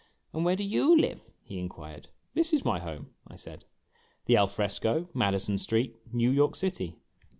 "And where do you live?" he inquired. "This is my home," I said; "the Alfresco, Madison street, New York City."